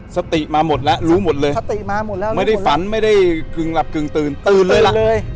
สติมาหมดแล้วรู้หมดเลยไม่ได้ฝันไม่ได้กึ่งหลับกึ่งตื่นตื่นเลยละ